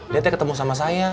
dia ketemu sama saya